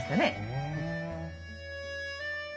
へえ。